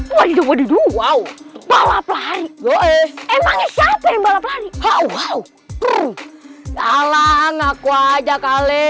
waduh waduh waw balap hari emangnya siapa yang balap hari